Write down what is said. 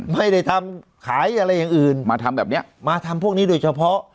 ไม่ได้ทำขายอะไรอย่างอื่นมาทำแบบเนี้ยมาทำพวกนี้โดยเฉพาะ